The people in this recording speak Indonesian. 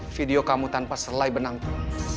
video kamu tanpa selai benangku